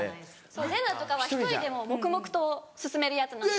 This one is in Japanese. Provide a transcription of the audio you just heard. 『ゼルダ』とかは１人でも黙々と進めるやつなんですよ。